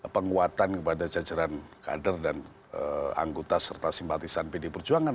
penguatan kepada jajaran kader dan anggota serta simpatisan pd perjuangan